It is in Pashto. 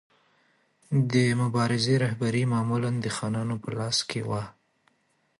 د مبارزې رهبري معمولا د خانانو په لاس کې وه.